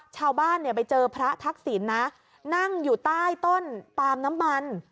ชาวบ้านไปเจอพระทักษิณนั่งต้นต้นตามน้ำมัน